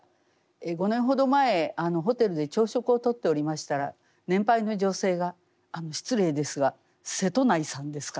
５年ほど前ホテルで朝食をとっておりましたら年配の女性が「失礼ですが瀬戸内さんですか？」